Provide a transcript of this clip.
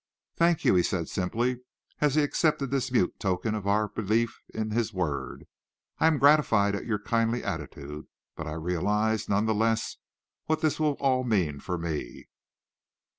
"Thank you," he said simply, as he accepted this mute token of our belief in his word. "I am gratified at your kindly attitude, but I realize, none the less, what this will all mean for me.